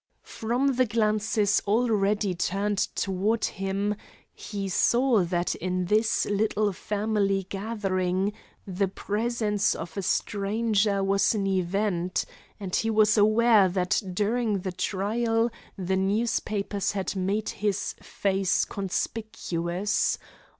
From the glances already turned toward him, he saw that in this little family gathering the presence of a stranger was an event, and he was aware that during the trial the newspapers had made his face conspicuous.